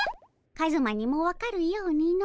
カズマにも分かるようにの。